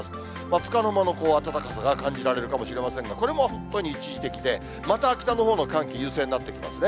つかの間の暖かさが感じられるかもしれませんが、これも一時的で、また北の方の寒気、優勢になってきますね。